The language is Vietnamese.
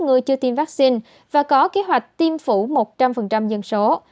người chưa tiêm vaccine và có kế hoạch tiêm phủ một trăm linh dân số